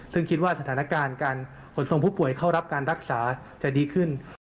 ซึ่งคิดว่าสถานการณ์การขนส่งผู้ป่วยเข้ารับการรักษาจะดีขึ้น